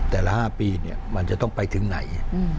แต่ละ๕ปีมันจะต้องไปถึงไหน